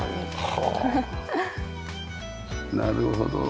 なるほど。